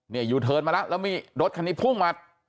เนี่ยยูเทิร์นมาแล้วมีรถคันนี้พุ่งมา